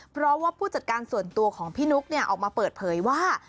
เพราะว่าผู้จัดการส่วนตัวของพี่นุ๊กออกมาเปิดเผยว่า